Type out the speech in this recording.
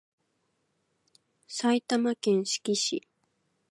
埼玉県志木市